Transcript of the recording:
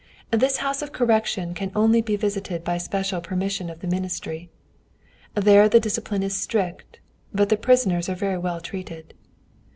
This house of correction can only be visited by special permission of the Ministry. There the discipline is strict, but the prisoners are very well treated.